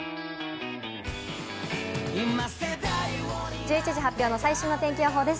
１１時発表の最新の天気予報です。